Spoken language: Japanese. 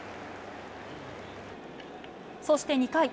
そして２回。